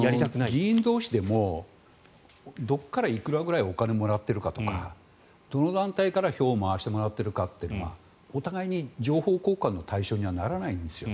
議員同士でもどこからいくらぐらいお金をもらっているかとかどの団体から票を回してもらっているかというのがお互いに情報交換の対象にはならないんですよ。